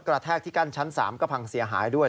แทกที่กั้นชั้น๓ก็พังเสียหายด้วย